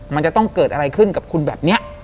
มันจะต้องเกิดอะไรขึ้นกับคุณแบบนี้